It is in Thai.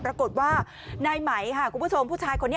ปรากฏว่านายไหมค่ะคุณผู้ชมผู้ชายคนนี้